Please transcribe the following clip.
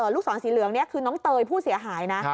ลูกสอนสีเหลืองคือน้องเตยผู้เสียหาย